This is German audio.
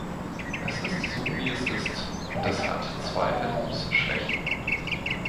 Es ist so wie es ist, und es hat zweifellos Schwächen.